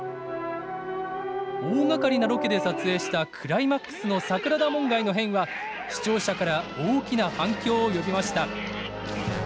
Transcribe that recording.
大がかりなロケで撮影したクライマックスの桜田門外の変は視聴者から大きな反響を呼びました。